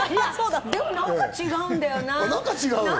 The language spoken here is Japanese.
でもなんか違うんだよな。